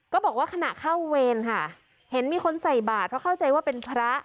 ก็บอกว่าขณะเข้าเวรค่ะเห็นมีคนใส่บาทเพราะเข้าใจว่าเป็นพระ